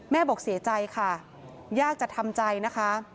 บอกเสียใจค่ะยากจะทำใจนะคะ